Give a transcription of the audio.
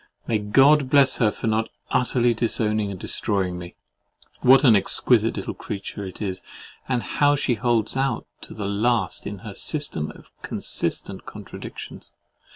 May God bless her for not utterly disowning and destroying me! What an exquisite little creature it is, and how she holds out to the last in her system of consistent contradictions!